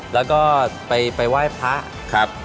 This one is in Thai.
แล้วก็ไปไหว้พระครับ